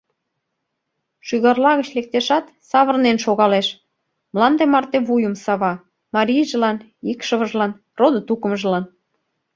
Шӱгарла гыч лектешат, савырнен шогалеш, мланде марте вуйым сава: марийжылан, икшывыжлан, родо-тукымжылан.